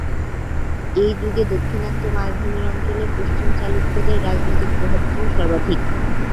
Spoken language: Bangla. এই যুগে দাক্ষিণাত্য মালভূমি অঞ্চলে পশ্চিম চালুক্যদের রাজনৈতিক প্রভাব ছিল সর্বাধিক।